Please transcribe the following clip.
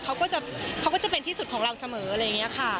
เขาก็จะเป็นที่สุดของเราเสมออะไรอย่างนี้ค่ะ